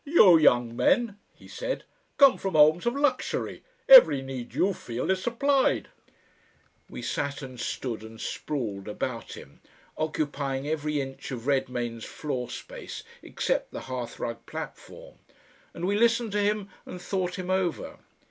"You young men," he said "come from homes of luxury; every need you feel is supplied " We sat and stood and sprawled about him, occupying every inch of Redmayne's floor space except the hearthrug platform, and we listened to him and thought him over.